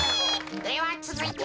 ではつづいて。